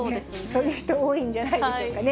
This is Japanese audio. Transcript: そういう人、多いんじゃないでしょうかね。